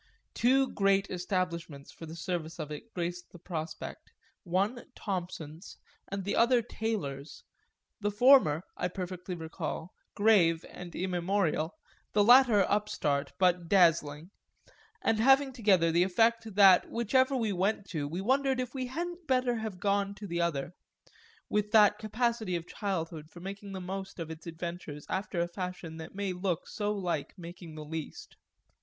Two great establishments for the service of it graced the prospect, one Thompson's and the other Taylor's, the former, I perfectly recall, grave and immemorial, the latter upstart but dazzling, and having together the effect that whichever we went to we wondered if we hadn't better have gone to the other with that capacity of childhood for making the most of its adventures after a fashion that may look so like making the least.